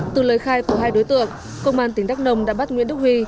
từ lời khai của hai đối tượng công an tỉnh đắk nông đã bắt nguyễn đức huy